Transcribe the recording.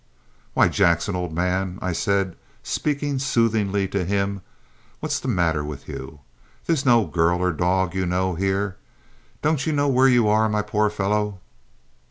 "Why, Jackson, old man," I said, speaking soothingly to him, "what's the matter with you? There's no girl or dog, you know, here. Don't you know where you are, my poor fellow?"